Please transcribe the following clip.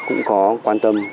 cũng có quan tâm